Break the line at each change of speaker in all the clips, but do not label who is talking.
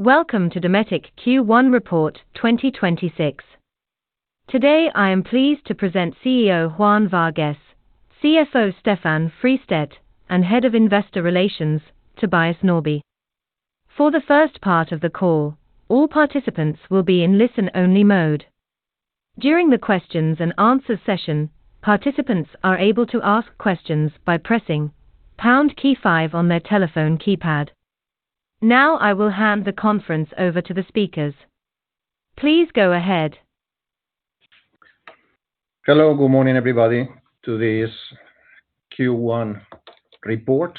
Welcome to Dometic Q1 report 2026. Today I am pleased to present CEO Juan Vargues, CFO Stefan Fristedt, and Head of Investor Relations, Tobias Norrby. For the first part of the call, all participants will be in listen-only mode. During the questions and answers session, participants are able to ask questions by pressing pound key five on their telephone keypad. Now I will hand the conference over to the speakers. Please go ahead.
Hello. Good morning, everybody, to this Q1 report.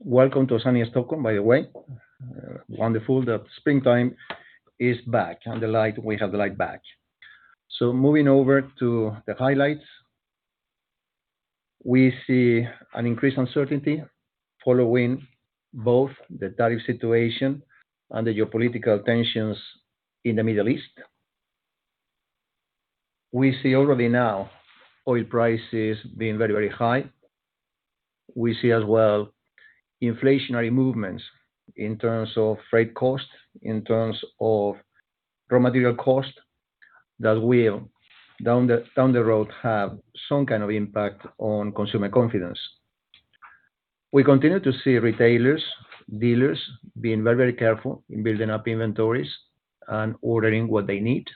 Welcome to sunny Stockholm, by the way. Wonderful that springtime is back and we have the light back. Moving over to the highlights. We see an increased uncertainty following both the tariff situation and the geopolitical tensions in the Middle East. We see already now oil prices being very, very high. We see as well inflationary movements in terms of freight cost, in terms of raw material cost, that will, down the road, have some kind of impact on consumer confidence. We continue to see retailers, dealers being very, very careful in building up inventories and ordering what they need.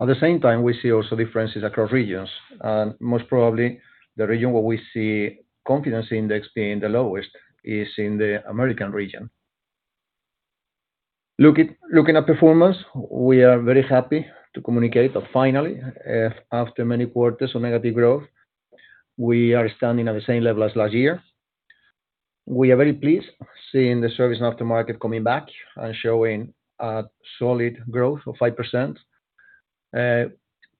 At the same time, we see also differences across regions, and most probably the region where we see confidence index being the lowest is in the American region. Looking at performance, we are very happy to communicate that finally, after many quarters of negative growth, we are standing at the same level as last year. We are very pleased seeing the service aftermarket coming back and showing a solid growth of 5%.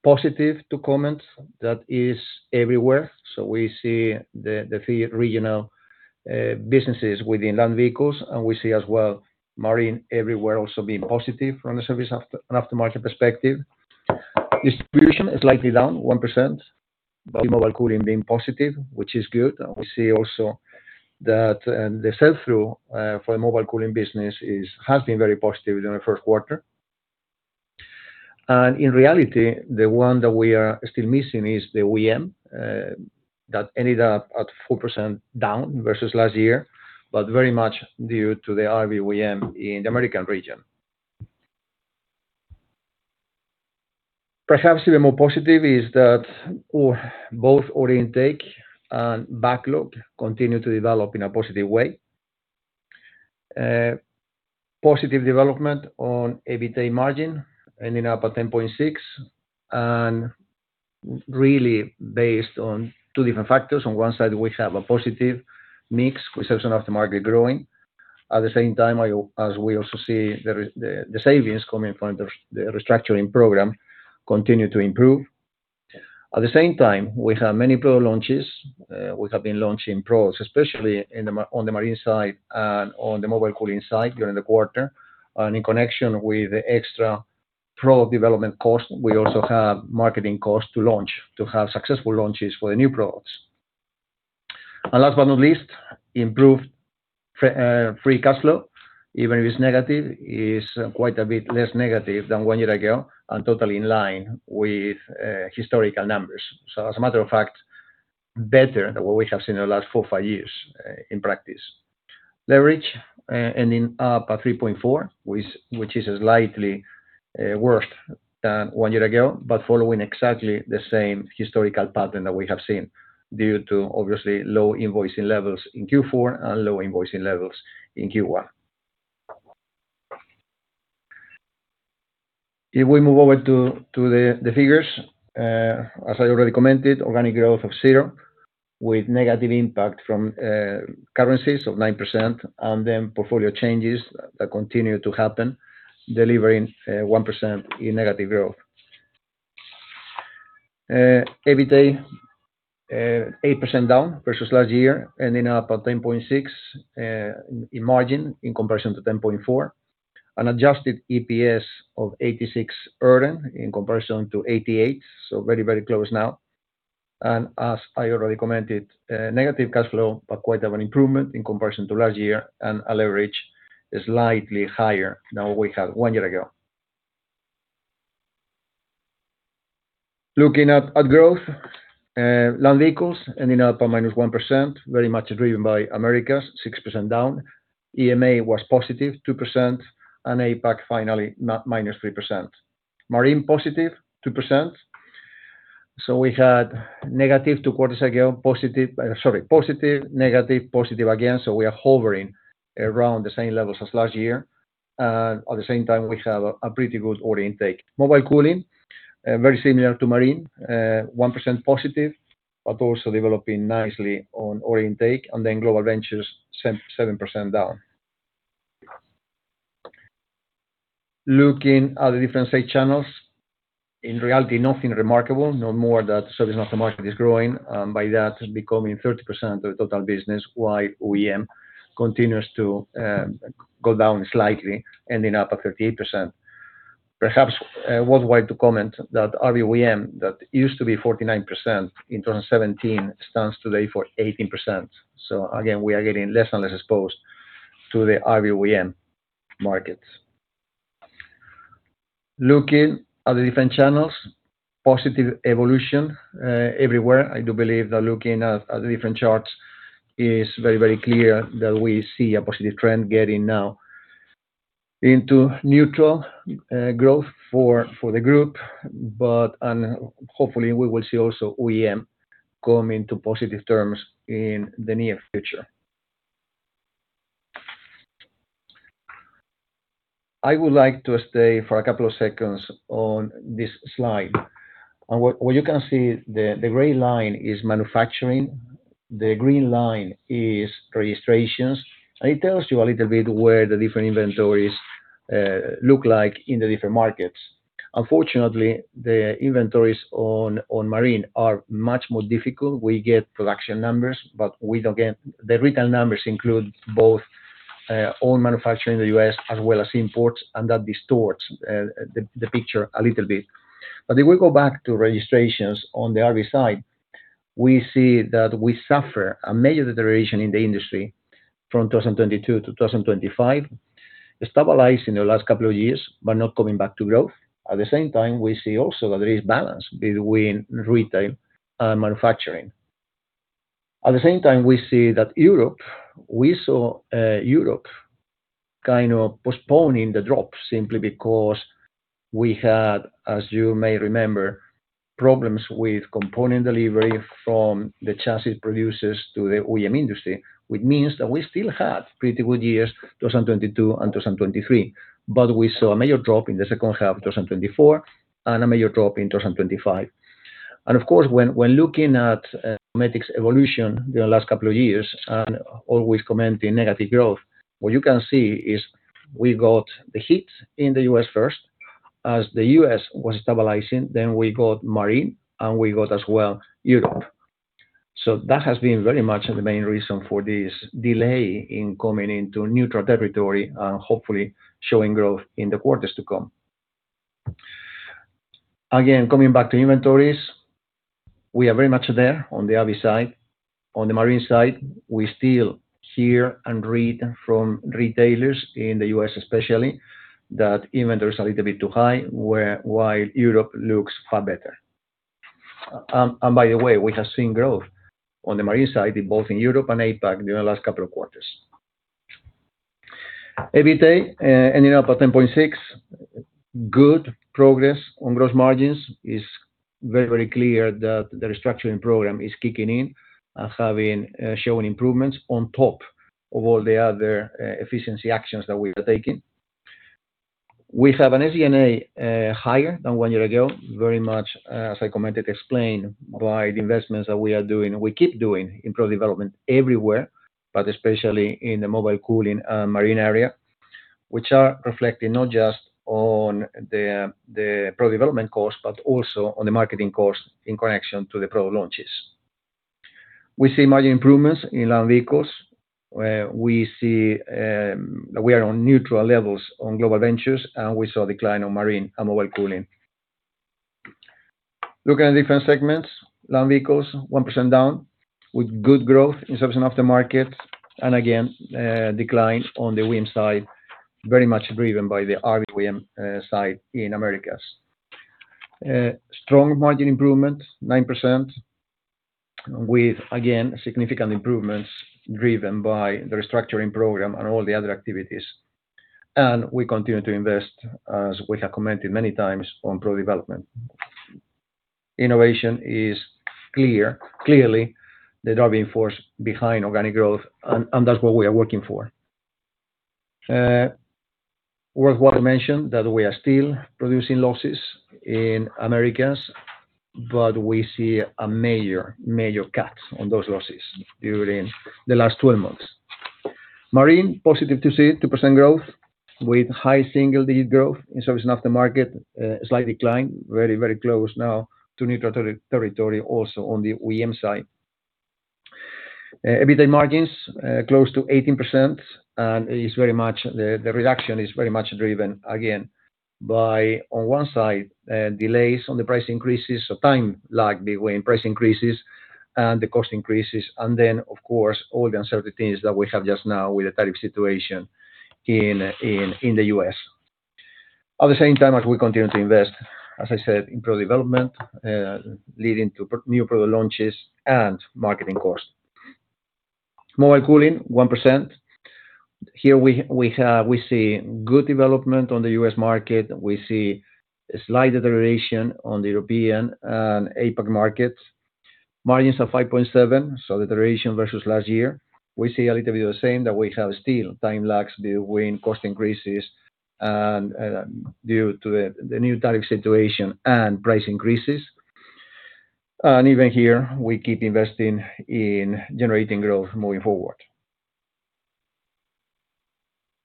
Positive to comment, that is everywhere. We see the three regional businesses within Land Vehicles, and we see as well Marine everywhere also being positive from the service and aftermarket perspective. Distribution is slightly down 1%, but Mobile Cooling being positive, which is good. We see also that the sell-through for the Mobile Cooling business has been very positive during the first quarter. In reality, the one that we are still missing is the OEM, that ended up at 4% down versus last year, but very much due to the RV OEM in the American region. Perhaps even more positive is that both order intake and backlog continue to develop in a positive way. Positive development on EBITA margin ending up at 10.6%, and really based on two different factors. On one side, we have a positive mix with service aftermarket growing. At the same time, as we also see, the savings coming from the restructuring program continue to improve. At the same time, we have many product launches. We have been launching products, especially on the Marine side and on the Mobile Cooling side during the quarter. In connection with the extra product development cost, we also have marketing costs to launch, to have successful launches for the new products. Last but not least, improved free cash flow, even if it's negative, is quite a bit less negative than one year ago, and totally in line with historical numbers. As a matter of fact, better than what we have seen in the last four or five years in practice. Leverage ending up at 3.4, which is slightly worse than one year ago, but following exactly the same historical pattern that we have seen due to obviously low invoicing levels in Q4 and low invoicing levels in Q1. If we move over to the figures, as I already commented, organic growth of 0% with negative impact from currencies of 9% and then portfolio changes that continue to happen, delivering 1% in negative growth. EBITA 8% down versus last year, ending up at 10.6% margin in comparison to 10.4%. An adjusted EPS of 0.86, in comparison to 0.88, so very, very close now. As I already commented, negative cash flow, but quite of an improvement in comparison to last year, and our leverage is slightly higher than we had one year ago. Looking at growth. Land Vehicles ending up at -1%, very much driven by Americas, -6%. EMEA was positive +2%, and APAC finally -3%. Marine positive +2%. We had negative two quarters ago, positive. Sorry, positive, negative, positive again, so we are hovering around the same levels as last year. At the same time, we have a pretty good order intake. Mobile Cooling, very similar to Marine, +1% positive, but also developing nicely on order intake. Then Global Ventures, -7% down. Looking at the different sales channels. In reality, nothing remarkable, no more than that service aftermarket is growing, and by that, it's becoming 30% of the total business, while OEM continues to go down slightly, ending up at 38%. Perhaps worthwhile to comment that RV OEM that used to be 49% in 2017, stands today for 18%. So again, we are getting less and less exposed to the RV OEM markets. Looking at the different channels, positive evolution everywhere. I do believe that looking at the different charts is very clear that we see a positive trend getting now into neutral growth for the group. Hopefully, we will see also OEM come into positive terms in the near future. I would like to stay for a couple of seconds on this slide. What you can see, the gray line is manufacturing, the green line is registrations, and it tells you a little bit where the different inventories look like in the different markets. Unfortunately, the inventories on Marine are much more difficult. We get production numbers, but the retail numbers include both all manufacturing in the U.S. as well as imports, and that distorts the picture a little bit. If we go back to registrations on the RV side, we see that we suffer a major deterioration in the industry from 2022 to 2025. It stabilized in the last couple of years, but not coming back to growth. At the same time, we see also that there is balance between retail and manufacturing. At the same time, we see that Europe, we saw Europe kind of postponing the drop simply because we had, as you may remember, problems with component delivery from the chassis producers to the OEM industry, which means that we still had pretty good years, 2022 and 2023. We saw a major drop in the second half of 2024 and a major drop in 2025. Of course, when looking at metrics evolution the last couple of years and always commenting negative growth, what you can see is we got the hit in the U.S. first. As the U.S. was stabilizing, then we got Marine, and we got as well Europe. That has been very much the main reason for this delay in coming into neutral territory and hopefully showing growth in the quarters to come. Again, coming back to inventories, we are very much there on the RV side. On the Marine side, we still hear and read from retailers in the U.S. especially, that inventory is a little bit too high, while Europe looks far better. By the way, we have seen growth on the Marine side, both in Europe and APAC in the last couple of quarters. EBITDA ending up at 10.6%. Good progress on gross margins. It's very clear that the restructuring program is kicking in and showing improvements on top of all the other efficiency actions that we are taking. We have an SG&A higher than one year ago, very much, as I commented, explained by the investments that we are doing, and we keep doing in product development everywhere, but especially in the Mobile Cooling and Marine area, which are reflecting not just on the product development costs, but also on the marketing costs in connection to the product launches. We see margin improvements in Land Vehicles, where we see that we are on neutral levels on Global Ventures, and we saw a decline on Marine and Mobile Cooling. Looking at different segments, Land Vehicles, 1% down with good growth in service and aftermarket, and again, decline on the OEM side, very much driven by the RV OEM side in Americas. Strong margin improvement, 9% with, again, significant improvements driven by the restructuring program and all the other activities. We continue to invest, as we have commented many times, on product development. Innovation is clearly the driving force behind organic growth, and that's what we are working for. Worthwhile to mention that we are still producing losses in Americas, but we see a major cut on those losses during the last 12 months. Marine, positive to see 2% growth with high single-digit growth in service and aftermarket, slight decline, very close now to neutral territory also on the OEM side. EBITDA margins close to 18% and the reduction is very much driven again by, on one side, delays on the price increases. Time lag between price increases and the cost increases, and then, of course, all the uncertainties that we have just now with the tariff situation in the U.S. At the same time as we continue to invest, as I said, in product development, leading to new product launches and marketing costs. Mobile Cooling Solutions, 1%. Here we see good development on the U.S. market. We see a slight deterioration on the European and APAC markets. Margins are 5.7%, saw deterioration versus last year. We see a little bit of the same that we have still time lags between cost increases and due to the new tariff situation and price increases. Even here, we keep investing in generating growth moving forward.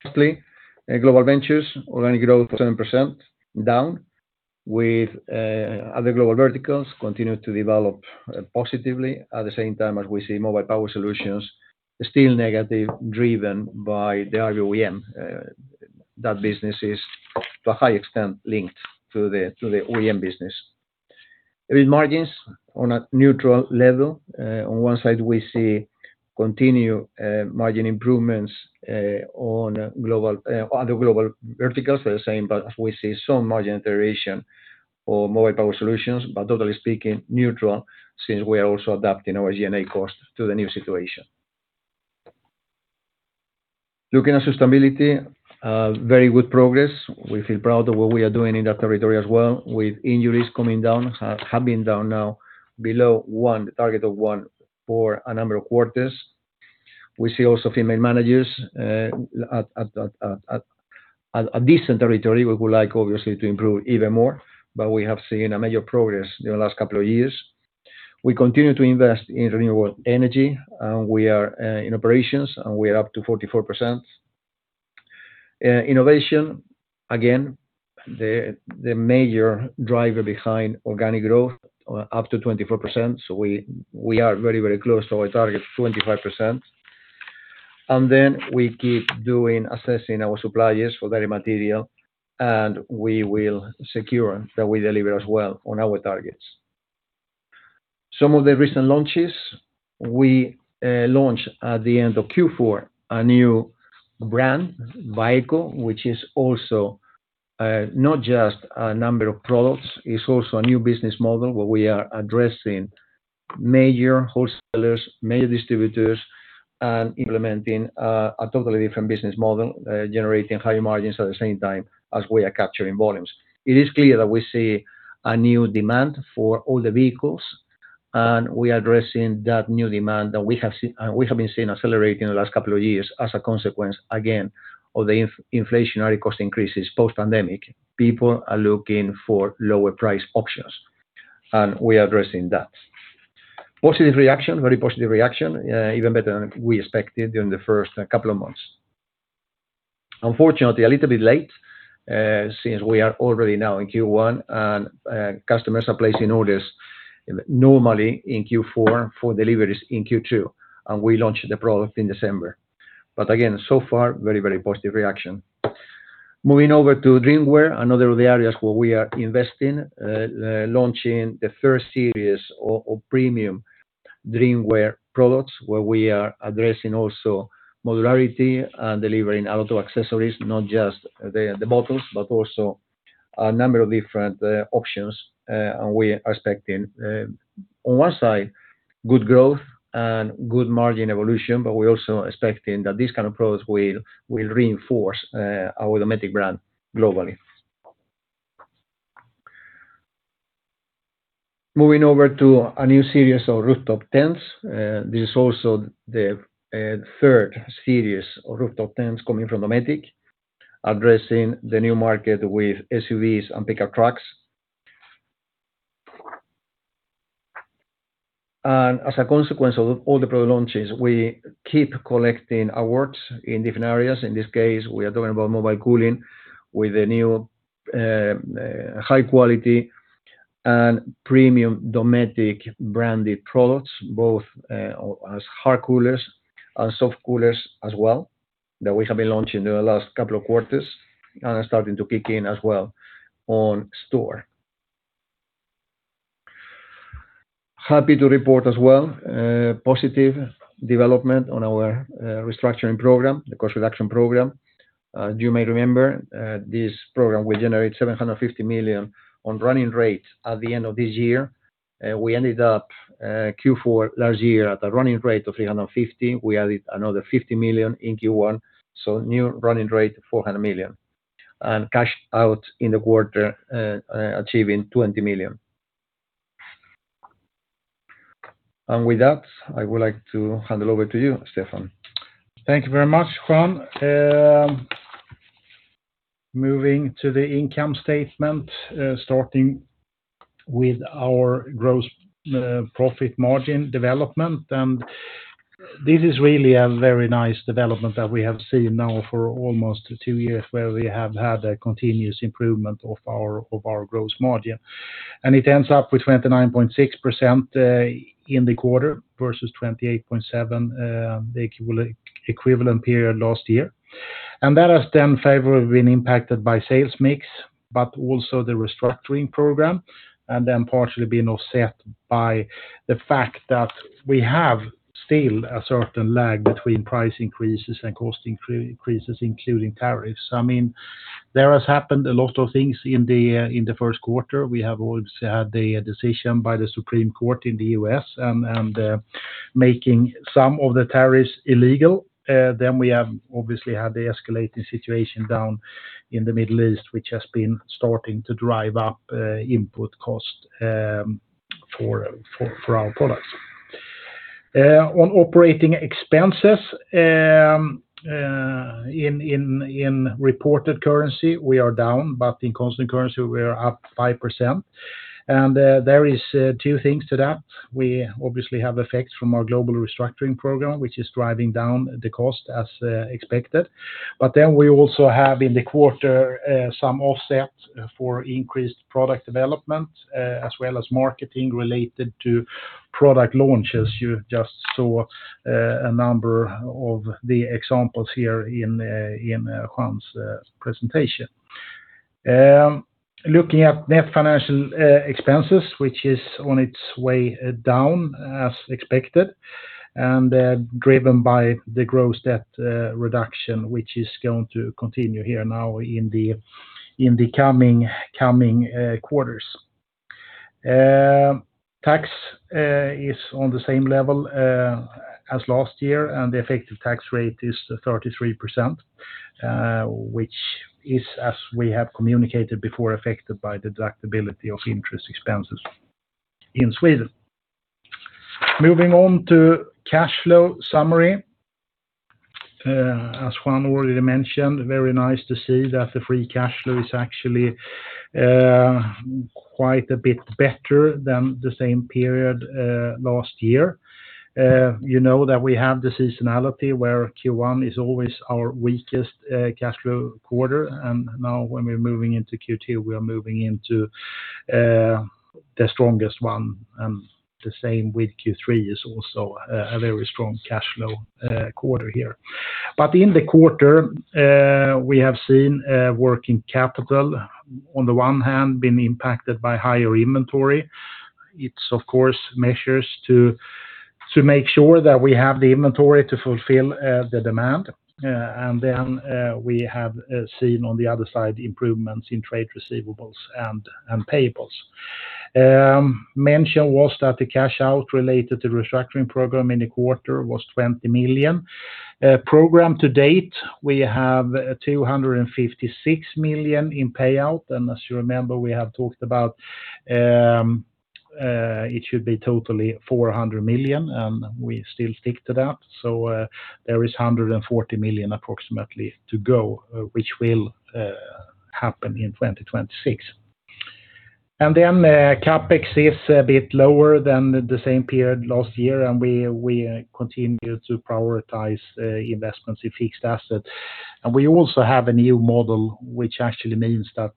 Lastly, Global Ventures, organic growth 7% down. While other global verticals continue to develop positively. At the same time as we see mobile power solutions still negative, driven by the OEM. That business is to a high extent linked to the OEM business. With margins on a neutral level, on one side, we see continued margin improvements on other global verticals. We're seeing, but we see some margin deterioration for mobile power solutions, but totally speaking neutral, since we are also adapting our G&A cost to the new situation. Looking at sustainability, very good progress. We feel proud of what we are doing in that territory as well, with injuries coming down, have been down now below one, the target of one for a number of quarters. We see also female managers at a decent level. We would like, obviously, to improve even more, but we have seen a major progress in the last couple of years. We continue to invest in renewable energy, and we are in operations, and we are up to 44%. Innovation, again, the major driver behind organic growth, up to 24%. We are very close to our target, 25%. We keep assessing our suppliers for materiality, and we will secure that we deliver as well on our targets. Some of the recent launches, we launched at the end of Q4, a new brand, WAECO, which is also not just a number of products, it's also a new business model where we are addressing major wholesalers, major distributors, and implementing a totally different business model, generating higher margins at the same time as we are capturing volumes. It is clear that we see a new demand for all the vehicles, and we are addressing that new demand that we have been seeing accelerating in the last couple of years as a consequence, again, of the inflationary cost increases post-pandemic. People are looking for lower price options, and we are addressing that. Positive reaction, very positive reaction, even better than we expected during the first couple of months. Unfortunately, a little bit late, since we are already now in Q1, and customers are placing orders normally in Q4 for deliveries in Q2, and we launched the product in December. Again, so far, very positive reaction. Moving over to DreamWear, another of the areas where we are investing, launching the first series of premium DreamWear products, where we are addressing also modularity and delivering a lot of accessories, not just the bottoms, but also a number of different options. We are expecting, on one side, good growth and good margin evolution, but we're also expecting that this kind of products will reinforce our Dometic brand globally. Moving over to a new series of rooftop tents. This is also the third series of rooftop tents coming from Dometic, addressing the new market with SUVs and pickup trucks. As a consequence of all the product launches, we keep collecting awards in different areas. In this case, we are talking about mobile cooling with the new high-quality and premium Dometic branded products, both as hard coolers and soft coolers as well, that we have been launching in the last couple of quarters and are starting to kick in as well in store. Happy to report as well positive development on our restructuring program, the cost reduction program. You may remember, this program will generate 750 million on running rates at the end of this year. We ended up Q4 last year at a running rate of 350 million. We added another 50 million in Q1, so new running rate, 400 million. Cash out in the quarter, achieving 20 million. With that, I would like to hand it over to you, Stefan.
Thank you very much, Juan. Moving to the income statement, starting with our gross profit margin development. This is really a very nice development that we have seen now for almost two years, where we have had a continuous improvement of our gross margin. It ends up with 29.6% in the quarter versus 28.7% equivalent period last year. That has then favorably been impacted by sales mix, but also the restructuring program, and then partially being offset by the fact that we have still a certain lag between price increases and cost increases, including tariffs. There has happened a lot of things in the first quarter. We have obviously had the decision by the Supreme Court of the United States in the U.S. and making some of the tariffs illegal. We have obviously had the escalating situation down in the Middle East, which has been starting to drive up input cost for our products. On operating expenses, in reported currency, we are down, but in constant currency, we are up 5%. There is two things to that. We obviously have effects from our global restructuring program, which is driving down the cost as expected. We also have in the quarter some offset for increased product development as well as marketing related to product launches. You just saw a number of the examples here in Juan's presentation. Looking at net financial expenses, which is on its way down as expected, and driven by the gross debt reduction, which is going to continue here now in the coming quarters. Tax is on the same level as last year, and the effective tax rate is 33%, which is, as we have communicated before, affected by deductibility of interest expenses in Sweden. Moving on to cash flow summary. As Juan already mentioned, very nice to see that the free cash flow is actually quite a bit better than the same period last year. You know that we have the seasonality where Q1 is always our weakest cash flow quarter. Now when we're moving into Q2, we are moving into the strongest one, and the same with Q3 is also a very strong cash flow quarter here. In the quarter, we have seen working capital, on the one hand, been impacted by higher inventory. It's of course measures to make sure that we have the inventory to fulfill the demand. We have seen on the other side improvements in trade receivables and payables. Mention was that the cash out related to restructuring program in the quarter was 20 million. Program to date, we have 256 million in payout. As you remember, we have talked about it should be totally 400 million, and we still stick to that. There is 140 million approximately to go, which will happen in 2026. CapEx is a bit lower than the same period last year, and we continue to prioritize investments in fixed assets. We also have a new model, which actually means that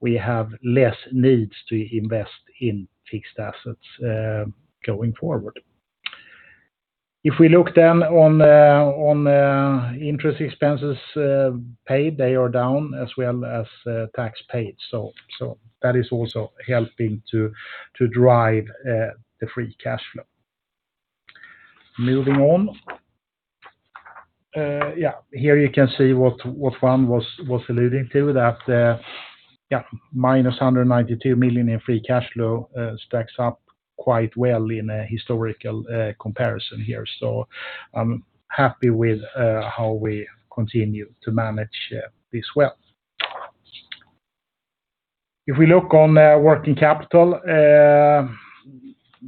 we have less needs to invest in fixed assets going forward. If we look then on interest expenses paid, they are down as well as tax paid. That is also helping to drive the free cash flow. Moving on. Yeah, here you can see what Juan was alluding to, that, yeah, -192 million in free cash flow stacks up quite well in a historical comparison here. I'm happy with how we continue to manage this well. If we look on working capital,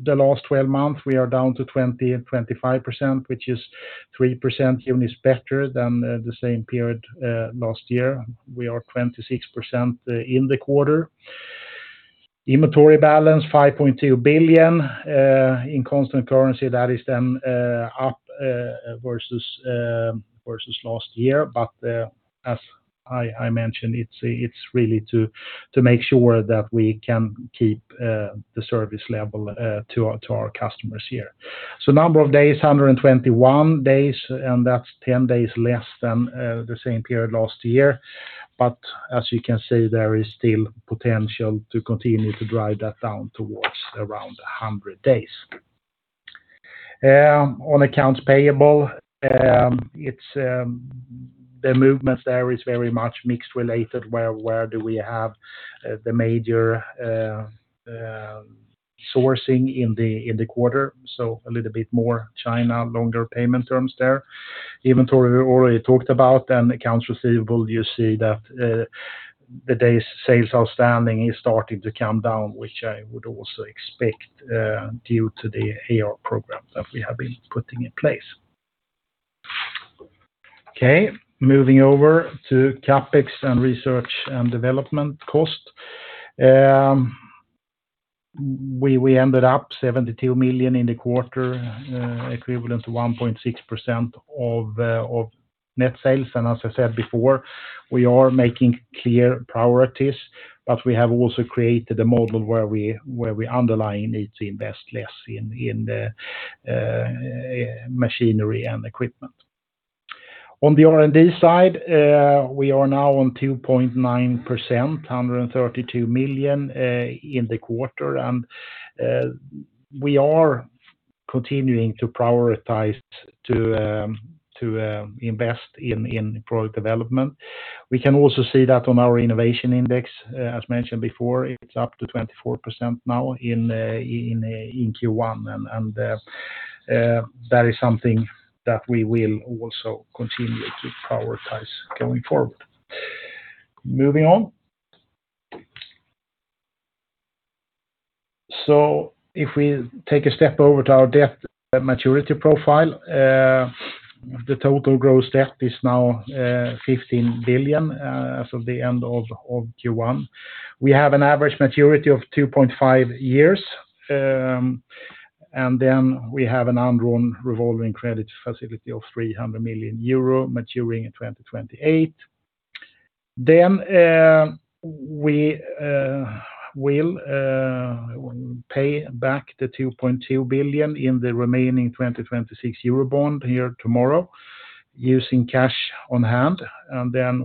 the last 12 months we are down to 20%-25%, which is 3% units better than the same period last year. We are 26% in the quarter. Inventory balance 5.2 billion in constant currency. That is then up versus last year. As I mentioned, it's really, to make sure that we can keep the service level to our customers here. Number of days, 121 days, and that's 10 days less than the same period last year. As you can see, there is still potential to continue to drive that down towards around 100 days. On accounts payable, the movements there is very much mixed related to where we have the major sourcing in the quarter. A little bit more China, longer payment terms there. Inventory we already talked about, and accounts receivable, you see that the days sales outstanding is starting to come down, which I would also expect due to the AR program that we have been putting in place. Okay, moving over to CapEx and research and development cost. We ended up 72 million in the quarter, equivalent to 1.6% of net sales. As I said before, we are making clear priorities, but we have also created a model where we no longer need to invest less in machinery and equipment. On the R&D side, we are now on 2.9%, 132 million in the quarter. We are continuing to prioritize to invest in product development. We can also see that on our innovation index. As mentioned before, it's up to 24% now in Q1, and that is something that we will also continue to prioritize going forward. Moving on. If we take a step over to our debt maturity profile, the total gross debt is now 15 billion as of the end of Q1. We have an average maturity of 2.5 years, and we have an undrawn revolving credit facility of 300 million euro maturing in 2028. We will pay back the 2.2 billion in the remaining 2026 Eurobond here tomorrow using cash on hand.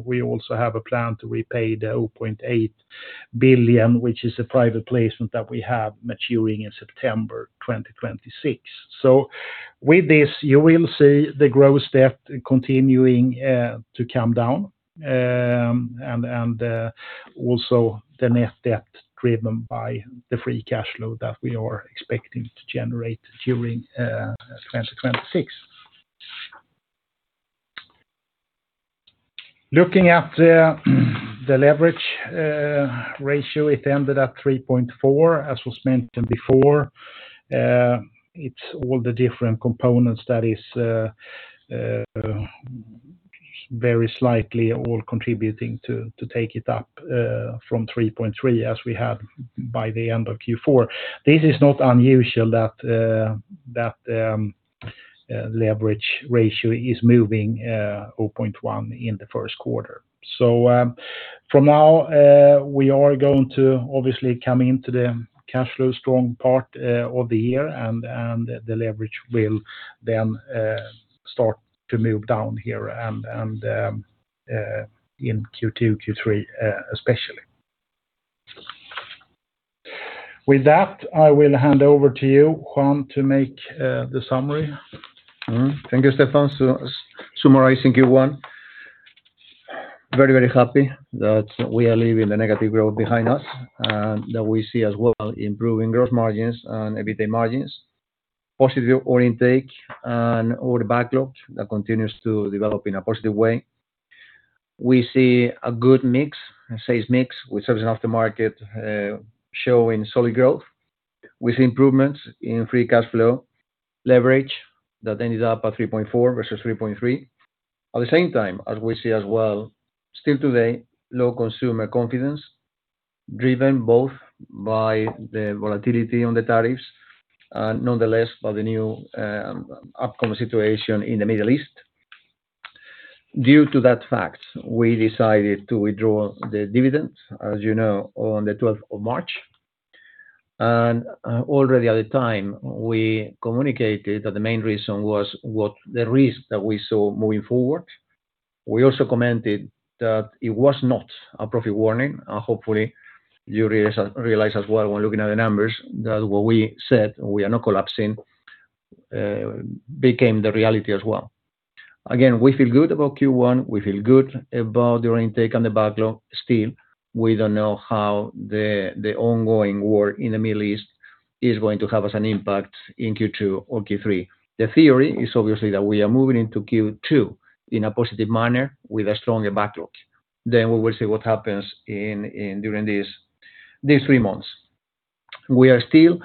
We also have a plan to repay the 0.8 billion, which is a private placement that we have maturing in September 2026. With this, you will see the gross debt continuing to come down, and also the net debt driven by the free cash flow that we are expecting to generate during 2026. Looking at the leverage ratio, it ended at 3.4, as was mentioned before. It's all the different components that is very slightly all contributing to take it up from 3.3 as we had by the end of Q4. This is not unusual that the leverage ratio is moving 0.1 in the first quarter. From now, we are going to obviously come into the cash flow strong part of the year and the leverage will then start to move down here in Q2, Q3, especially. With that, I will hand over to you, Juan, to make the summary.
Thank you, Stefan. Summarizing Q1, very, very happy that we are leaving the negative growth behind us, and that we see as well improving gross margins and EBITDA margins. Positive order intake and order backlog that continues to develop in a positive way. We see a good mix, a sales mix with service aftermarket showing solid growth. We see improvements in free cash flow leverage that ended up at 3.4 versus 3.3. At the same time, as we see as well, still today, low consumer confidence, driven both by the volatility on the tariffs and nonetheless by the new upcoming situation in the Middle East. Due to that fact, we decided to withdraw the dividends, as you know, on the 12th of March. Already at the time, we communicated that the main reason was with the risk that we saw moving forward. We also commented that it was not a profit warning. Hopefully you realize as well when looking at the numbers, that what we said, we are not collapsing, became the reality as well. Again, we feel good about Q1. We feel good about the intake and the backlog. Still, we don't know how the ongoing war in the Middle East is going to have an impact in Q2 or Q3. The theory is obviously that we are moving into Q2 in a positive manner with a stronger backlog. We will see what happens during these three months. We are still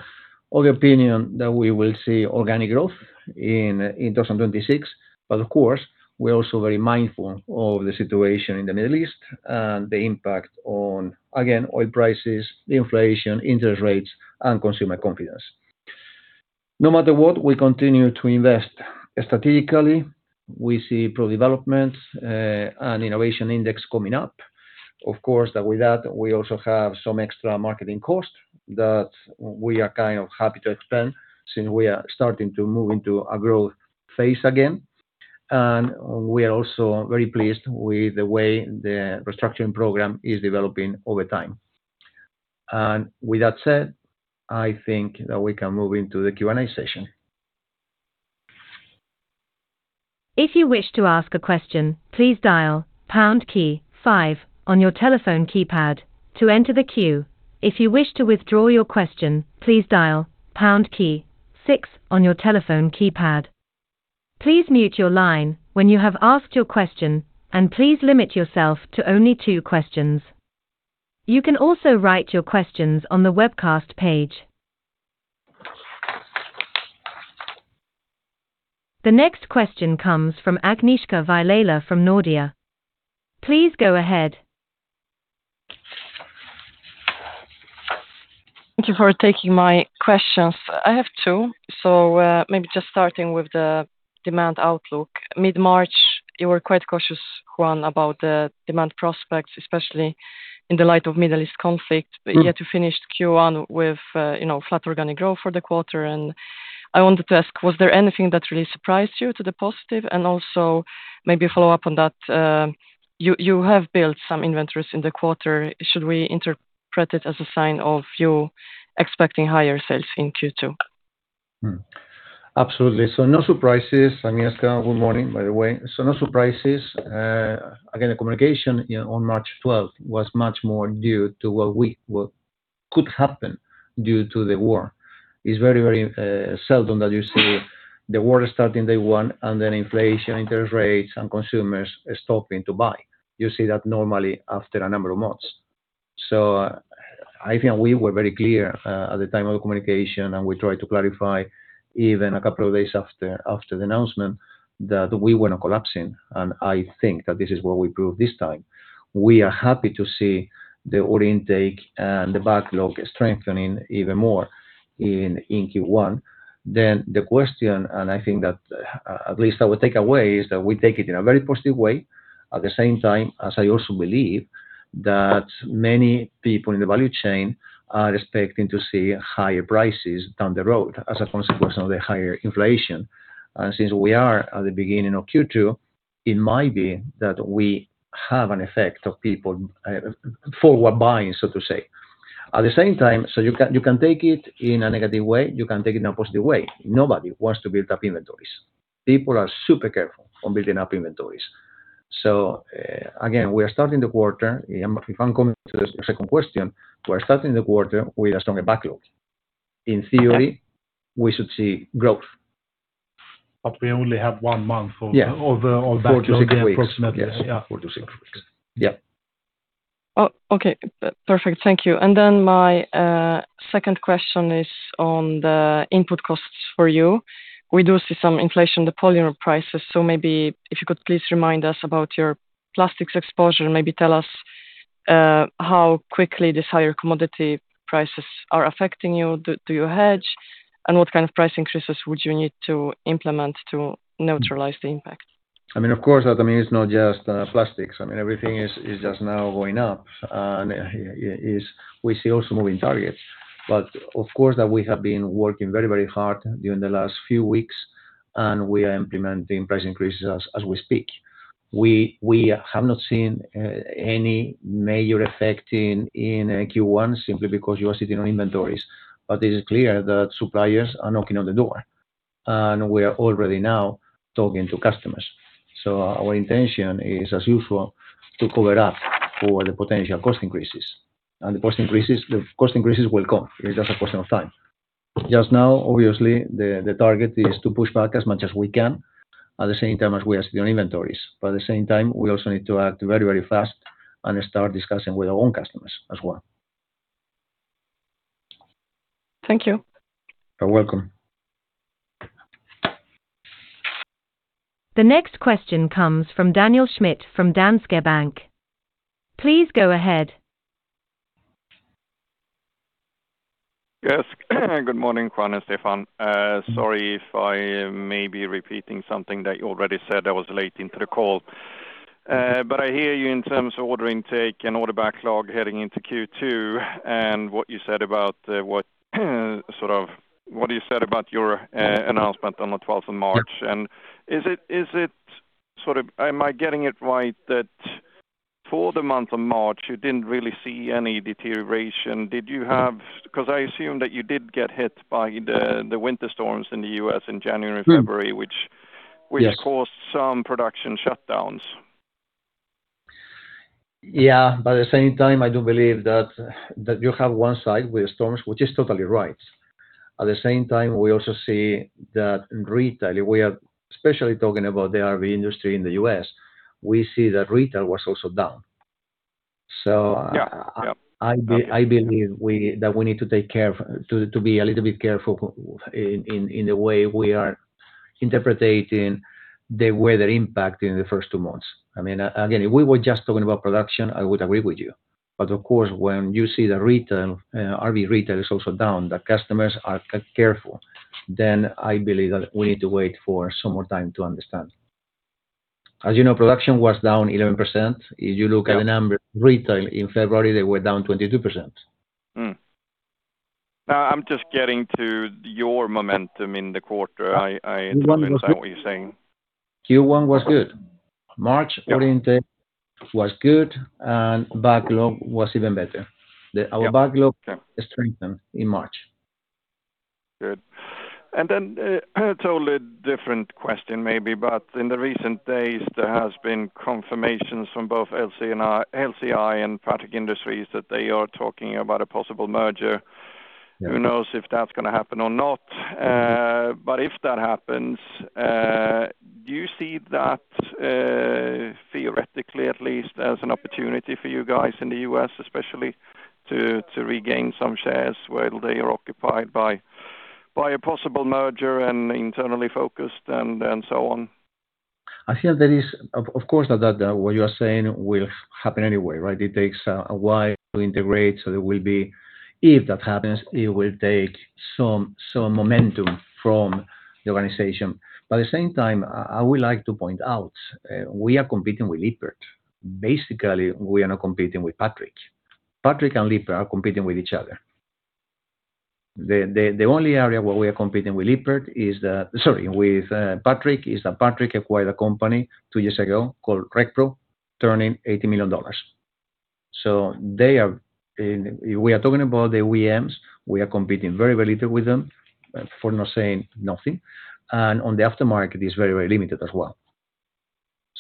of the opinion that we will see organic growth in 2026. Of course, we're also very mindful of the situation in the Middle East and the impact on, again, oil prices, inflation, interest rates, and consumer confidence. No matter what, we continue to invest strategically. We see positive developments and innovation index coming up. Of course, with that, we also have some extra marketing cost that we are happy to expend since we are starting to move into a growth phase again. We are also very pleased with the way the restructuring program is developing over time. With that said, I think that we can move into the Q&A session.
If you wish to ask a question, please dial pound key five on your telephone keypad to enter the queue. If you wish to withdraw your question, please dial pound key six on your telephone keypad. Please mute your line when you have asked your question, and please limit yourself to only two questions. You can also write your questions on the webcast page. The next question comes from Agnieszka Vilela from Nordea. Please go ahead.
Thank you for taking my questions. I have two. Maybe just starting with the demand outlook. Mid-March, you were quite cautious, Juan, about the demand prospects, especially in the light of Middle East conflict. Yet you finished Q1 with flat organic growth for the quarter, and I wanted to ask, was there anything that really surprised you to the positive? Also maybe follow up on that, you have built some inventories in the quarter. Should we interpret it as a sign of you expecting higher sales in Q2?
Absolutely. No surprises. Agnieszka, good morning, by the way. No surprises. Again, the communication on March 12th was much more due to what could happen due to the war. It's very, very seldom that you see the war is starting day one, and then inflation, interest rates, and consumers stopping to buy. You see that normally after a number of months. I think we were very clear at the time of the communication, and we tried to clarify even a couple of days after the announcement that we were not collapsing, and I think that this is what we proved this time. We are happy to see the order intake and the backlog strengthening even more in Q1. The question, and I think that at least our takeaway, is that we take it in a very positive way. At the same time, as I also believe that many people in the value chain are expecting to see higher prices down the road as a consequence of the higher inflation. Since we are at the beginning of Q2, it might be that we have an effect of people forward buying, so to say. At the same time, you can take it in a negative way, you can take it in a positive way. Nobody wants to build up inventories. People are super careful on building up inventories. Again, we are starting the quarter. If I'm coming to the second question, we're starting the quarter with a stronger backlog. In theory, we should see growth.
We only have one month. Yeah. Of the order- four to six weeks approximately. Yeah.
four to six weeks. Yeah.
Oh, okay. Perfect. Thank you. My second question is on the input costs for you. We do see some inflation in the polymer prices. Maybe if you could please remind us about your plastics exposure, maybe tell us how quickly these higher commodity prices are affecting you. Do you hedge? What kind of price increases would you need to implement to neutralize the impact?
Of course, it's not just plastics. Everything is just now going up, and we see also moving targets. Of course, that we have been working very hard during the last few weeks, and we are implementing price increases as we speak. We have not seen any major effect in Q1 simply because you are sitting on inventories. It is clear that suppliers are knocking on the door, and we are already now talking to customers. Our intention is, as usual, to cover up for the potential cost increases. The cost increases will come. It's just a question of time. Just now, obviously, the target is to push back as much as we can at the same time as we are sitting on inventories. At the same time, we also need to act very fast and start discussing with our own customers as well.
Thank you.
You're welcome.
The next question comes from Daniel Schmidt from Danske Bank. Please go ahead.
Yes. Good morning, Juan and Stefan. Sorry if I may be repeating something that you already said. I was late into the call. I hear you in terms of order intake and order backlog heading into Q2, and what you said about your announcement on the 12th of March. Am I getting it right that for the month of March, you didn't really see any deterioration? Because I assume that you did get hit by the winter storms in the U.S. in January, February-
Yes
which caused some production shutdowns.
Yeah. At the same time, I do believe that you have one side with storms, which is totally right. At the same time, we also see that in retail, especially talking about the RV industry in the U.S., we see that retail was also down.
Yeah. Okay.
I believe that we need to be a little bit careful in the way we are interpreting the weather impact in the first two months. Again, if we were just talking about production, I would agree with you. Of course, when you see the retail, retail is also down, the customers are careful, then I believe that we need to wait for some more time to understand. As you know, production was down 11%. If you look at the numbers, retail in February, they were down 22%.
No, I'm just getting to your momentum in the quarter. I understand what you're saying.
Q1 was good. March order intake was good, and backlog was even better.
Yeah. Okay.
Our backlog strengthened in March.
Good. A totally different question maybe, but in the recent days, there has been confirmations from both LCI and Patrick Industries that they are talking about a possible merger.
Yeah.
Who knows if that's going to happen or not. If that happens, do you see that, theoretically at least, as an opportunity for you guys in the U.S. especially to regain some shares while they are occupied by a possible merger and internally focused and so on?
I feel that is, of course, what you are saying will happen anyway, right? It takes a while to integrate. If that happens, it will take some momentum from the organization. At the same time, I would like to point out, we are competing with Lippert. Basically, we are not competing with Patrick. Patrick and Lippert are competing with each other. The only area where we are competing with Patrick is that Patrick acquired a company two years ago called RecPro, doing $80 million. We are talking about the OEMs. We are competing very little with them, if not saying nothing. On the aftermarket, it's very limited as well.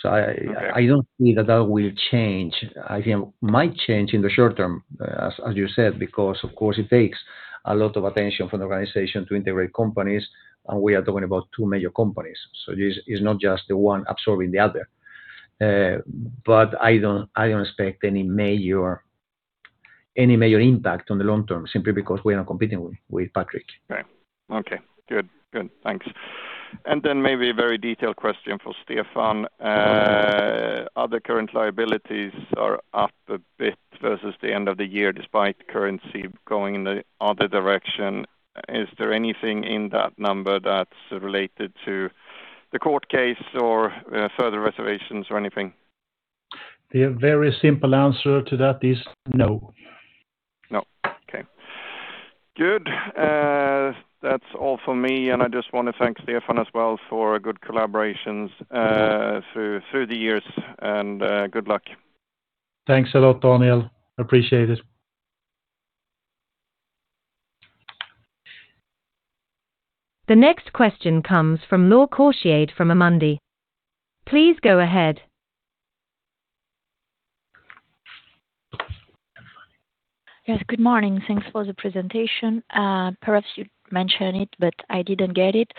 I don't think that will change. I think it might change in the short term, as you said, because of course, it takes a lot of attention from the organization to integrate companies, and we are talking about two major companies. This is not just the one absorbing the other. I don't expect any major impact on the long term, simply because we are not competing with Patrick.
Right. Okay, good. Thanks. Maybe a very detailed question for Stefan. Other current liabilities are up a bit versus the end of the year, despite currency going in the other direction. Is there anything in that number that's related to the court case or further reservations or anything?
The very simple answer to that is no.
No. Okay. Good. That's all for me, and I just want to thank Stefan as well for good collaborations through the years. Good luck.
Thanks a lot, Daniel. Appreciate it.
The next question comes from Laure Courtiade from Amundi. Please go ahead.
Yes. Good morning. Thanks for the presentation. Perhaps you mentioned it, but I didn't get it.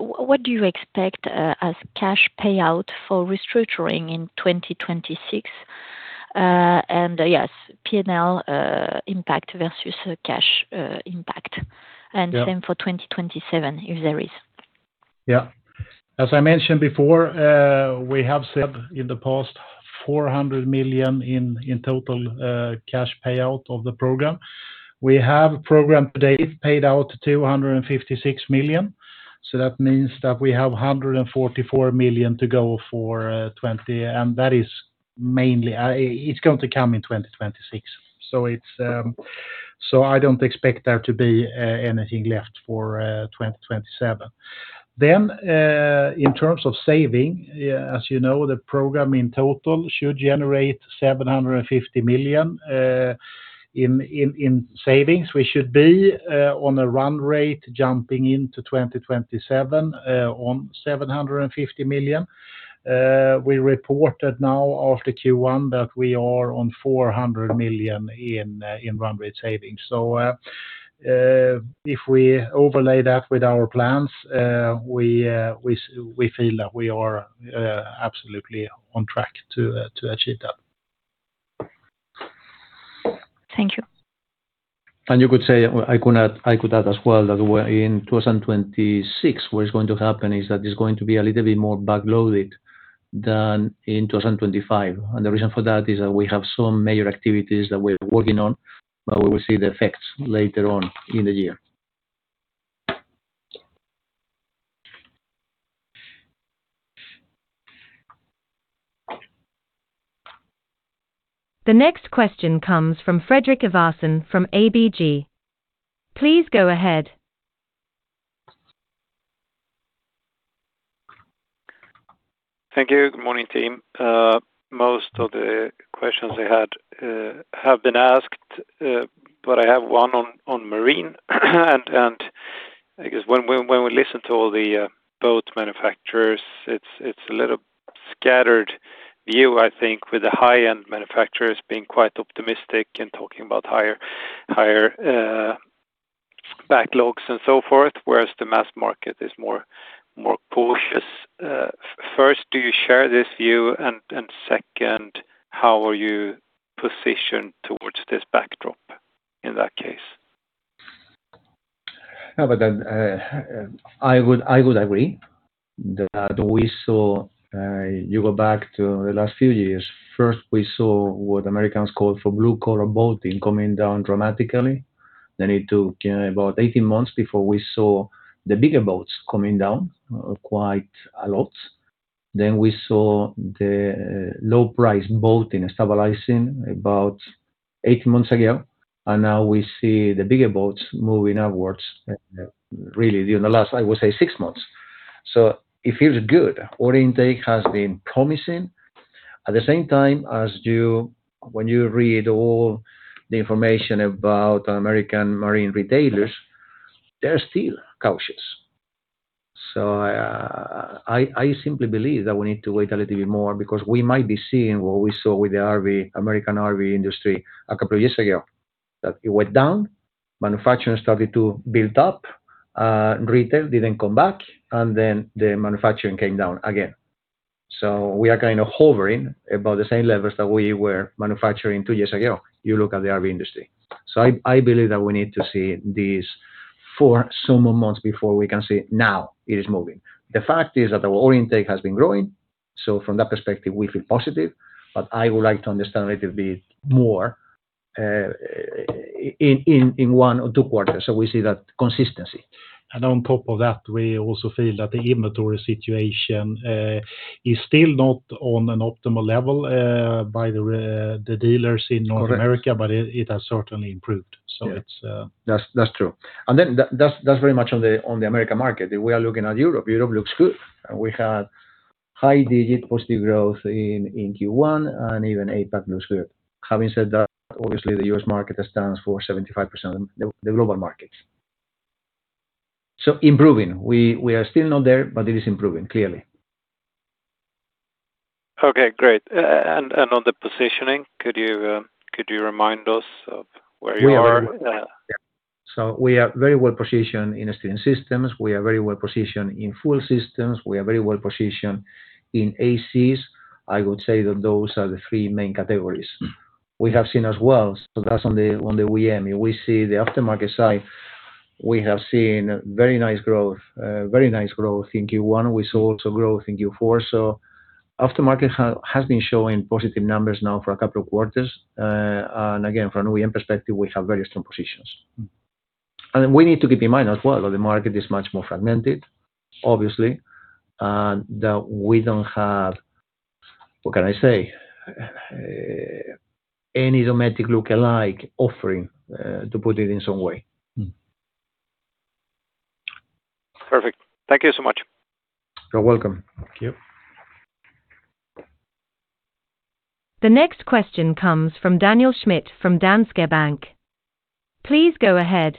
What do you expect as cash payout for restructuring in 2026? Yes, P&L impact versus cash impact.
Yeah.
Same for 2027, if there is.
Yeah. As I mentioned before, we have said in the past 400 million in total cash payout of the program. We have program to date paid out 256 million. That means that we have 144 million to go for 2020, and that is mainly, it's going to come in 2026. I don't expect there to be anything left for 2027. In terms of savings, as you know, the program in total should generate 750 million in savings. We should be on a run rate jumping into 2027 on 750 million. We reported now after Q1, that we are on 400 million in run rate savings. If we overlay that with our plans, we feel that we are absolutely on track to achieve that.
Thank you.
I could add as well that in 2026, what is going to happen is that it's going to be a little bit more back-loaded than in 2025. The reason for that is that we have some major activities that we're working on, but we will see the effects later on in the year.
The next question comes from Fredrik Ivarsson from ABG. Please go ahead.
Thank you. Good morning, team. Most of the questions I had have been asked, but I have one on Marine. I guess when we listen to all the boat manufacturers, it's a little scattered view, I think, with the high-end manufacturers being quite optimistic and talking about higher backlogs and so forth, whereas the mass market is more cautious. First, do you share this view? Second, how are you positioned towards this backdrop in that case?
I would agree that we saw, you go back to the last few years, first we saw what Americans call for blue-collar boating coming down dramatically. It took about 18 months before we saw the bigger boats coming down quite a lot. We saw the low price boating stabilizing about eight months ago, and now we see the bigger boats moving upwards really in the last, I would say, six months. It feels good. Order intake has been promising. At the same time, when you read all the information about American marine retailers, they're still cautious. I simply believe that we need to wait a little bit more because we might be seeing what we saw with the American RV industry a couple of years ago, that it went down, manufacturing started to build up, retail didn't come back, and then the manufacturing came down again. We are kind of hovering about the same levels that we were manufacturing two years ago, you look at the RV industry. I believe that we need to see these for some more months before we can say, "Now it is moving." The fact is that our order intake has been growing, so from that perspective, we feel positive, but I would like to understand a little bit more in one or two quarters so we see that consistency.
On top of that, we also feel that the inventory situation is still not on an optimal level by the dealers in North America.
Correct
It has certainly improved.
Yeah. That's true. That's very much on the American market. We are looking at Europe. Europe looks good. We had high single-digit positive growth in Q1 and even APAC looks good. Having said that, obviously the U.S. market stands for 75% of the global markets. Improving. We are still not there, but it is improving clearly.
Okay, great. On the positioning, could you remind us of where you are?
We are very well positioned in steering systems. We are very well positioned in fuel systems. We are very well positioned in ACs. I would say that those are the three main categories. We have seen as well, so that's on the OEM. We see the aftermarket side. We have seen very nice growth in Q1. We saw also growth in Q4. Aftermarket has been showing positive numbers now for a couple of quarters. Again, from an OEM perspective, we have very strong positions. We need to keep in mind as well that the market is much more fragmented, obviously. That we don't have, what can I say? Any Dometic lookalike offering, to put it in some way.
Perfect. Thank you so much.
You're welcome.
Thank you.
The next question comes from Daniel Schmidt from Danske Bank. Please go ahead.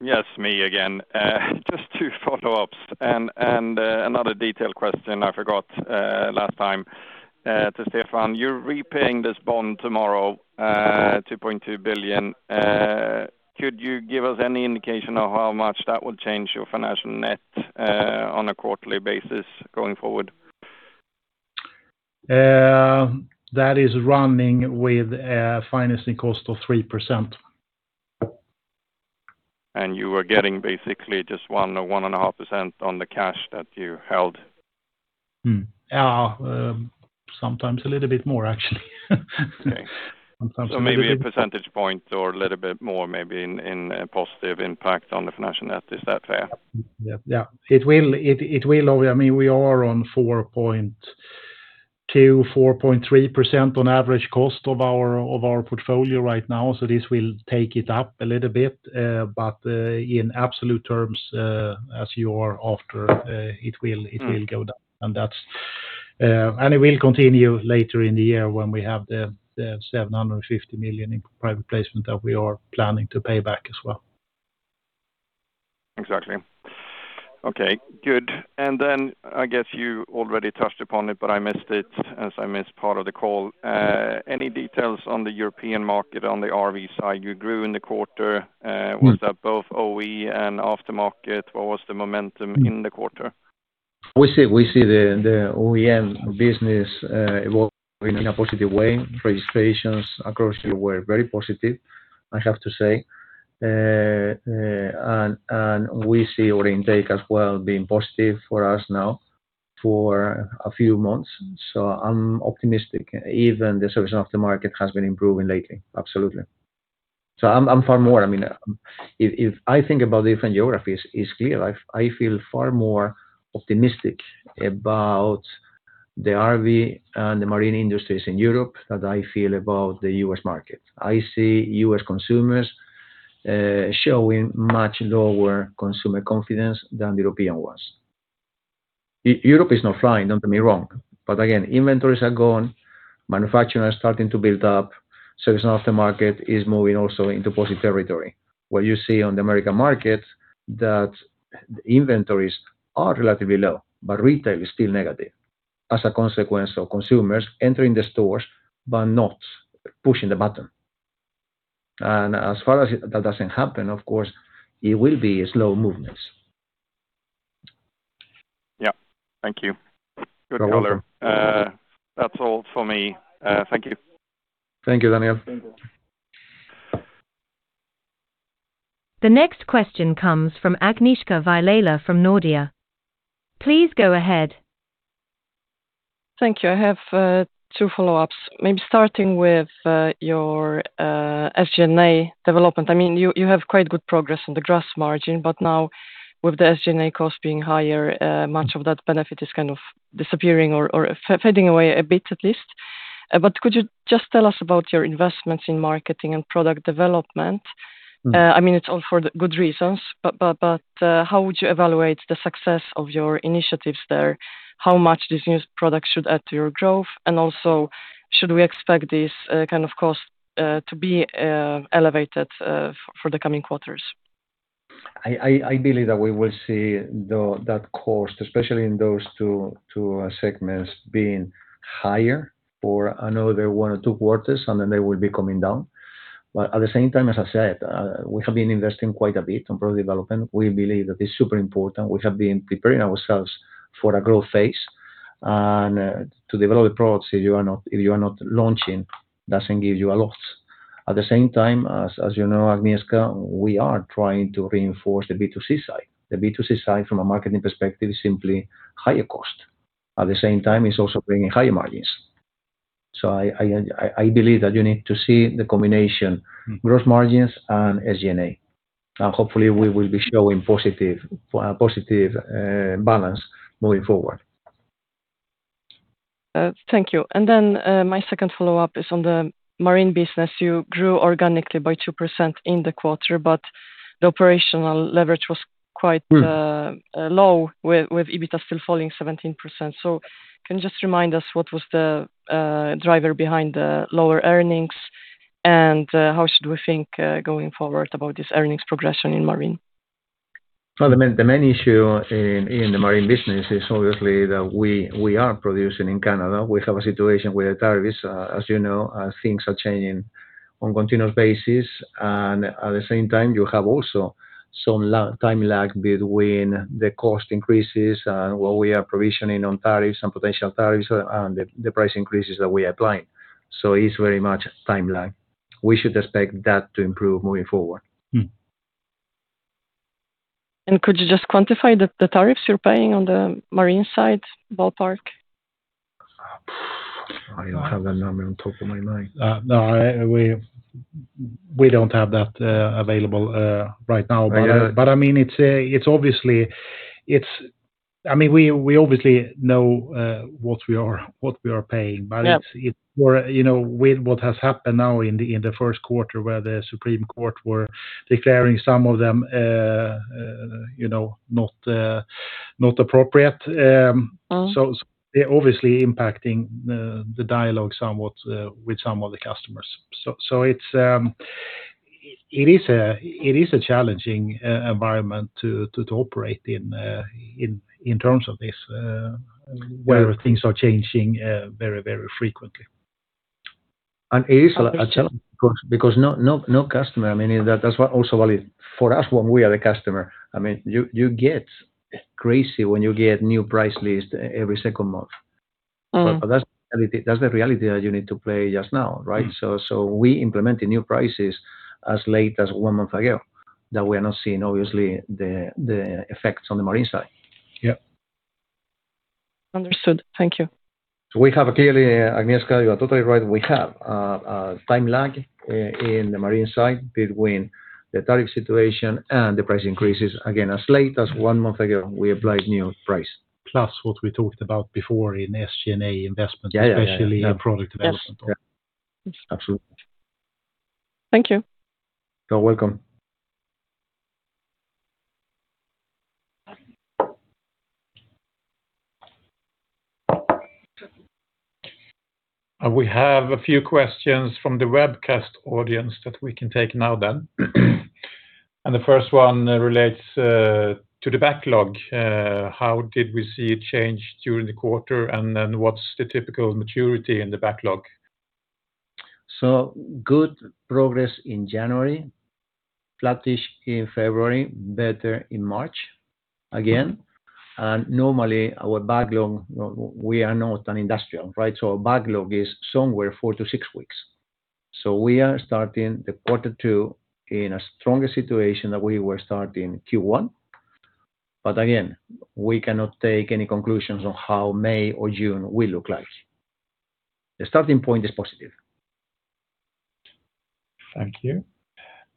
Yes, me again. Just two follow-ups and another detail question I forgot last time t0 Stefan. You're repaying this bond tomorrow, 2.2 billion. Could you give us any indication of how much that will change your financial net on a quarterly basis going forward?
That is running with a financing cost of 3%.
You were getting basically just 1% or 1.5% on the cash that you held?
Yeah. Sometimes a little bit more, actually.
Maybe a percentage point or a little bit more maybe in a positive impact on the financial net. Is that fair?
Yeah. It will. We are on 4.2%, 4.3% on average cost of our portfolio right now. This will take it up a little bit. In absolute terms, as you are after, it will go down. It will continue later in the year when we have the 750 million in private placement that we are planning to pay back as well.
Exactly. Okay, good. I guess you already touched upon it, but I missed it as I missed part of the call. Any details on the European market on the RV side? You grew in the quarter. Was that both OEM and aftermarket? What was the momentum in the quarter?
We see the OEM business evolving in a positive way. Registrations across Europe were very positive, I have to say. We see our intake as well being positive for us now for a few months. I'm optimistic, even the service aftermarket has been improving lately, absolutely. I'm far more, if I think about different geographies, it's clear, I feel far more optimistic about the RV and the Marine industries in Europe than I feel about the U.S. market. I see U.S. consumers showing much lower consumer confidence than the European ones. Europe is not flying, don't get me wrong, but again, inventories are gone. Manufacturers are starting to build up. Service aftermarket is moving also into positive territory. What you see on the American market that inventories are relatively low, but retail is still negative as a consequence of consumers entering the stores but not pushing the button. As far as that doesn't happen, of course it will be slow movements.
Yeah, thank you. Good color. That's all for me. Thank you.
Thank you, Daniel.
The next question comes from Agnieszka Vilela from Nordea. Please go ahead.
Thank you. I have two follow-ups, maybe starting with your SG&A development. You have quite good progress on the gross margin, but now with the SG&A cost being higher, much of that benefit is kind of disappearing or fading away a bit at least. Could you just tell us about your investments in marketing and product development? It's all for the good reasons, but how would you evaluate the success of your initiatives there? How much these new products should add to your growth, and also should we expect this kind of cost to be elevated for the coming quarters?
I believe that we will see that cost, especially in those two segments being higher for another one or two quarters, and then they will be coming down. At the same time, as I said, we have been investing quite a bit on product development. We believe that it's super important. We have been preparing ourselves for a growth phase. To develop products if you are not launching, doesn't give you a lot. At the same time, as you know, Agnieszka, we are trying to reinforce the B2C side. The B2C side from a marketing perspective is simply higher cost. At the same time, it's also bringing higher margins. I believe that you need to see the combination, growth margins and SG&A. Now, hopefully we will be showing positive balance moving forward.
Thank you. Then, my second follow-up is on the Marine business. You grew organically by 2% in the quarter, but the operational leverage was quite low with EBITDA still falling 17%. Can you just remind us what was the driver behind the lower earnings? And how should we think going forward about this earnings progression in Marine?
The main issue in the Marine business is obviously that we are producing in Canada. We have a situation with the tariffs, as you know, things are changing on continuous basis. At the same time, you have also some time lag between the cost increases and what we are provisioning on tariffs and potential tariffs and the price increases that we applying. It's very much time lag. We should expect that to improve moving forward.
Could you just quantify the tariffs you're paying on the Marine side? Ballpark.
I don't have that number on top of my mind.
No, we don't have that available right now. We obviously know what we are paying.
Yeah.
With what has happened now in the first quarter, where the Supreme Court were declaring some of them not appropriate.
Mm-hmm.
They're obviously impacting the dialogue somewhat with some of the customers. It is a challenging environment to operate in terms of this, where things are changing very frequently.
It is a challenge because no customer. That's what's also valid for us when we are the customer. You get crazy when you get new price list every second month.
Mm-hmm.
That's the reality that you need to play just now, right? We implemented new prices as late as one month ago that we are not seeing, obviously, the effects on the Marine side.
Yep.
Understood. Thank you.
We have clearly, Agnieszka, you are totally right. We have a time lag in the Marine side between the tariff situation and the price increases. Again, as late as one month ago, we applied new price.
What we talked about before in SG&A investment.
Yeah.
especially in product development.
Yes.
Absolutely.
Thank you.
You're welcome.
We have a few questions from the webcast audience that we can take now then. The first one relates to the backlog. How did we see it change during the quarter? What's the typical maturity in the backlog?
Good progress in January, flattish in February, better in March again. Normally our backlog, we are not an industrial, right? Our backlog is somewhere four to six weeks. We are starting quarter two in a stronger situation than we were starting Q1. Again, we cannot take any conclusions on how May or June will look like. The starting point is positive.
Thank you.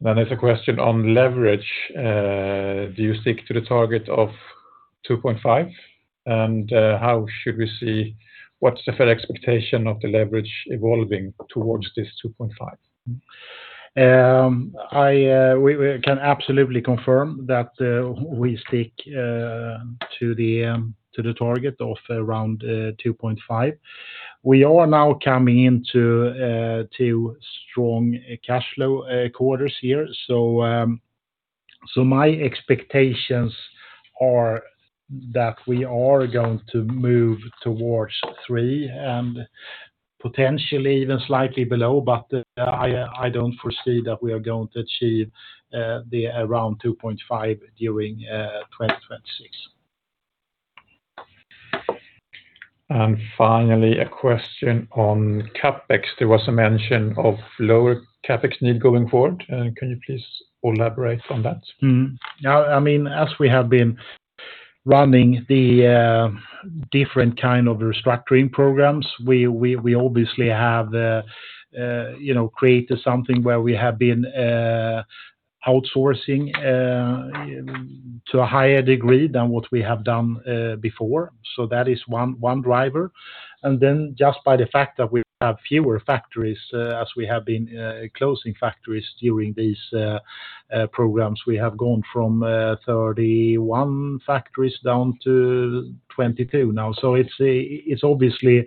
There's a question on leverage. Do you stick to the target of 2.5? How should we see what's the fair expectation of the leverage evolving towards this 2.5?
We can absolutely confirm that we stick to the target of around 2.5. We are now coming into two strong cash flow quarters here. My expectations are that we are going to move towards three and potentially even slightly below, but I don't foresee that we are going to achieve the around 2.5 during 2026.
Finally, a question on CapEx. There was a mention of lower CapEx need going forward. Can you please elaborate on that?
As we have been running the different kind of restructuring programs, we obviously have created something where we have been outsourcing to a higher degree than what we have done before. That is one driver. Just by the fact that we have fewer factories as we have been closing factories during these programs, we have gone from 31 factories down to 22 now. It's obviously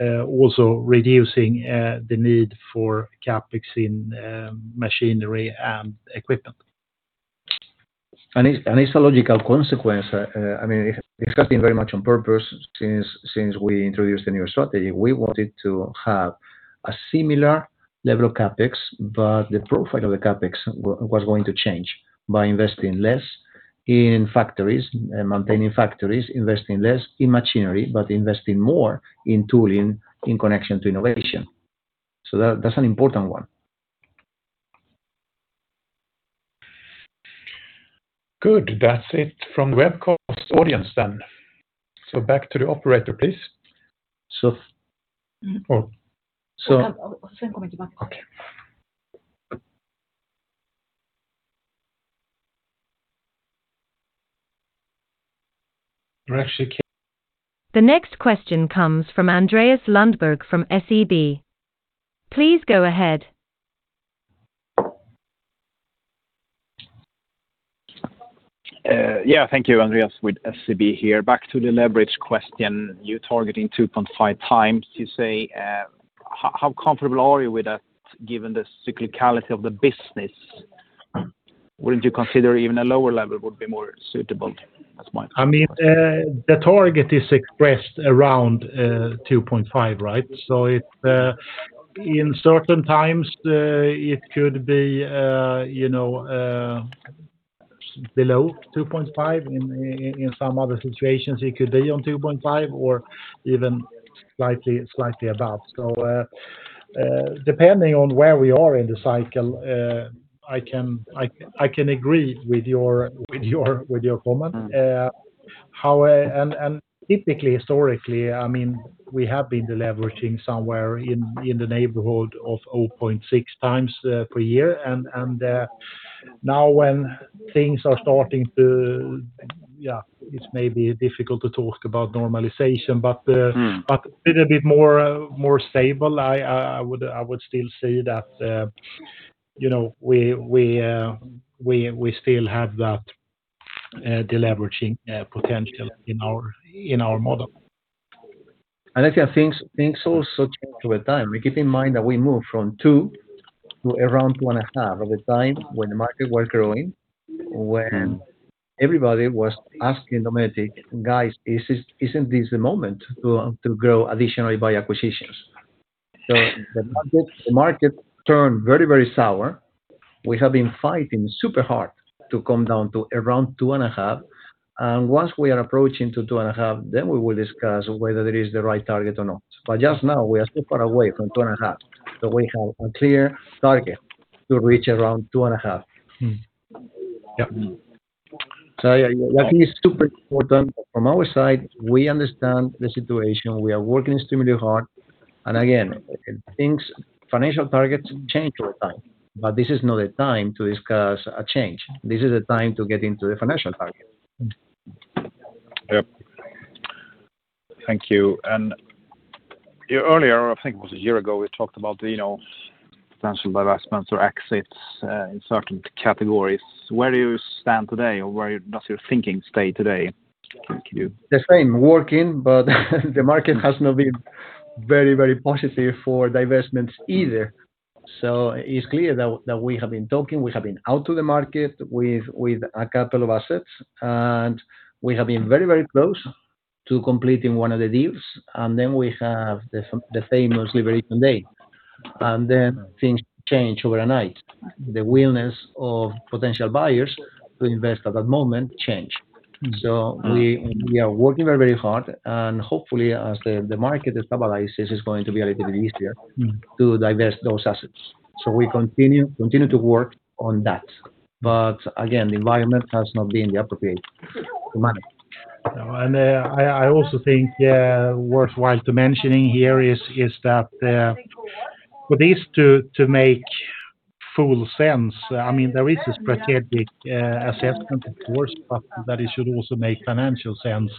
also reducing the need for CapEx in machinery and equipment.
It's a logical consequence. It has been very much on purpose since we introduced the new strategy. We wanted to have a similar level of CapEx, but the profile of the CapEx was going to change by investing less in factories and maintaining factories, investing less in machinery, but investing more in tooling in connection to innovation. That's an important one.
Good. That's it from webcast audience then. Back to the operator, please.
So-
We're actually
The next question comes from Andreas Lundberg from SEB. Please go ahead.
Yeah. Thank you, Andreas with SEB here. Back to the leverage question, you're targeting 2.5x, you say. How comfortable are you with that, given the cyclicality of the business? Wouldn't you consider even a lower level would be more suitable? That's my question.
The target is expressed around 2.5, right? In certain times, it could be below 2.5. In some other situations, it could be on 2.5 or even slightly above. Depending on where we are in the cycle, I can agree with your comment. Typically, historically, we have been deleveraging somewhere in the neighborhood of 0.6x per year. Now when things are starting to, yeah, it's maybe difficult to talk about normalization, but a little bit more stable. I would still say that we still have that deleveraging potential in our model.
Actually, things also change with time. Keep in mind that we moved from 2 to around 2.5 at the time when the market was growing, when everybody was asking Dometic, "Guys, isn't this the moment to grow additionally by acquisitions?" The market turned very sour. We have been fighting super hard to come down to around 2.5, and once we are approaching 2.5, then we will discuss whether it is the right target or not. Just now, we are still far away from 2.5, so we have a clear target to reach around 2.5.
Yeah.
That is super important from our side. We understand the situation. We are working extremely hard, and again, financial targets change over time, but this is not a time to discuss a change. This is a time to get into the financial target.
Yep. Thank you, and earlier, I think it was a year ago, we talked about potential divestments or exits in certain categories. Where do you stand today or where does your thinking stand today? Thank you.
The same, working, but the market has not been very positive for divestments either. It's clear that we have been talking, we have been out to the market with a couple of assets, and we have been very close to completing one of the deals, and then we have the famous liberation day, and then things change overnight. The willingness of potential buyers to invest at that moment changed. We are working very hard and hopefully as the market stabilizes, it's going to be a little bit easier to divest those assets. We continue to work on that. Again, the environment has not been the appropriate to manage.
I also think it worthwhile to mention here is that, for this to make full sense, there is a strategic assessment of course, but that it should also make financial sense.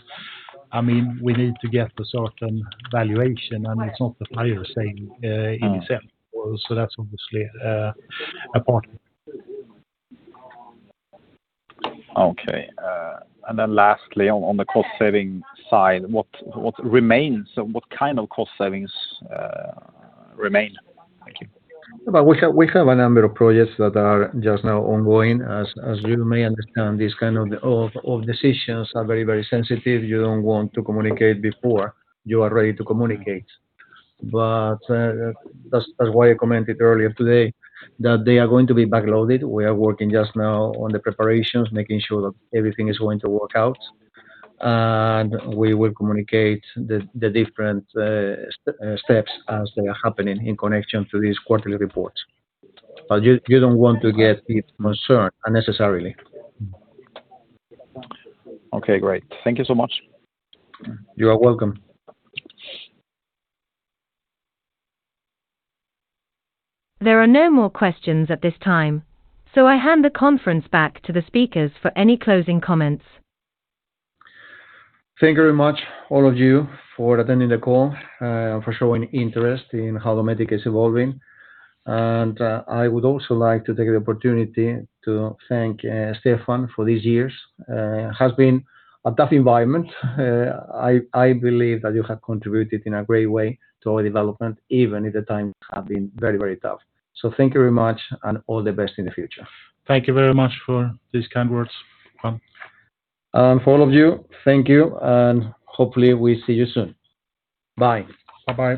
We need to get a certain valuation, and it's not the buyer saying it itself. That's obviously a part.
Okay. Lastly, on the cost-saving side, what remains and what kind of cost savings remain? Thank you.
We have a number of projects that are just now ongoing. As you may understand, these kind of decisions are very sensitive. You don't want to communicate before you are ready to communicate. That's why I commented earlier today that they are going to be backloaded. We are working just now on the preparations, making sure that everything is going to work out, and we will communicate the different steps as they are happening in connection to these quarterly reports. You don't want to get concerned unnecessarily.
Okay, great. Thank you so much.
You are welcome.
There are no more questions at this time, so I hand the conference back to the speakers for any closing comments.
Thank you very much all of you for attending the call, for showing interest in how Dometic is evolving. I would also like to take the opportunity to thank Stefan for these years. It has been a tough environment. I believe that you have contributed in a great way to our development, even if the times have been very tough. Thank you very much and all the best in the future.
Thank you very much for these kind words, Juan.
For all of you, thank you, and hopefully we see you soon. Bye.
Bye-bye.